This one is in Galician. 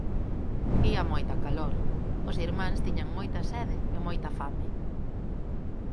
Ía moita calor: os irmáns tiñan moita sede e moita fame.